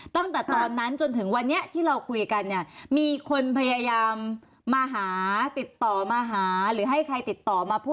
ตั้งแต่ตอนนั้นจนถึงวันนี๊ที่เราคุยกันนี่มีคนพยายามมาหาติดต่อมาหา